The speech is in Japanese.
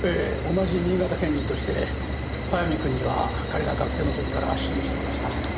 同じ新潟県人として早見君には彼が学生の時から支援してきました。